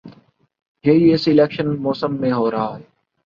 یہی اس الیکشن موسم میں ہو رہا ہے۔